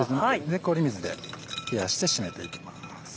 氷水で冷やして締めていきます。